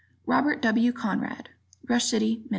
Robert W. Conrad, Rush City, Minn.